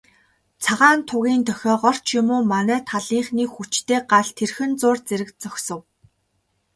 Цагаан тугийн дохиогоор ч юм уу, манай талынхны хүчтэй гал тэрхэн зуур зэрэг зогсов.